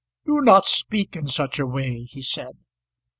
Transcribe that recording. "Do not speak in such a way," he said.